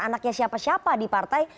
anaknya siapa siapa di partai